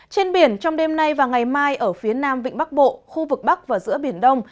trên biển trong đêm nay và ngày mai ở phía nam vịnh bắc bộ khu vực bắc và giữa biển đông